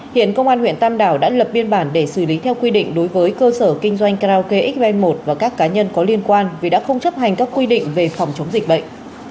hiện công an huyện tam đảo đã lập biên bản để xử lý theo quy định đối với cơ sở kinh doanh karaoke x một và các cá nhân có liên quan vì đã không chấp hành các quy định về phòng chống dịch bệnh